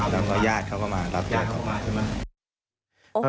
แล้วก็ญาติเขาก็มารับเกียรติครับ